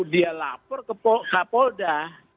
dia lapor ke kapolda